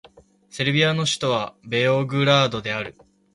セルビアの首都はベオグラードである